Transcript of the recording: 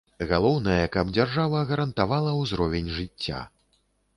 Галоўнае, каб дзяржава гарантавала ўзровень жыцця.